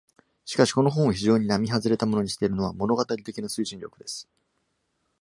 しかし、この本を非常に並外れたものにしているのは、物語的な推進力です。